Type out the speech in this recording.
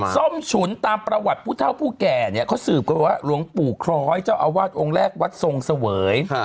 ส้มฉุนตามประวัติผู้เท่าผู้แก่เนี่ยเขาสืบกันว่าหลวงปู่คล้อยเจ้าอาวาสองค์แรกวัดทรงเสวย